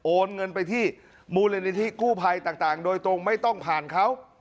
เงินไปที่มูลนิธิกู้ภัยต่างโดยตรงไม่ต้องผ่านเขา